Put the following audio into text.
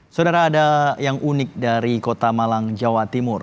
saudara ada yang unik dari kota malang jawa timur